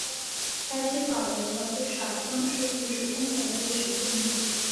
该区保留了不少装饰艺术风格的历史建筑。